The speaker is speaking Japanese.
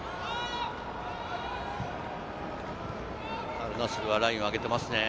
アルナスルはラインを上げてますよね。